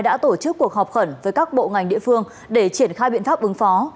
đã tổ chức cuộc họp khẩn với các bộ ngành địa phương để triển khai biện pháp ứng phó